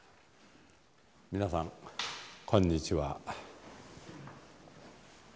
皆さんこんにちは。